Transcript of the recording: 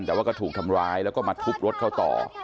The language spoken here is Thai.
แต่ว่าก็ถูกทำร้ายแล้วก็มาทุบรถเขาต่อ